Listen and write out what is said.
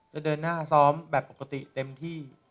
เดินหน้าซ้อมแบบปกติเต็มที่